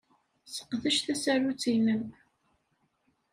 Sseqdec tasarut-nnem.